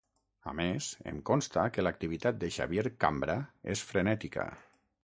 A més, em consta que l'activitat de Xavier Cambra és frenètica.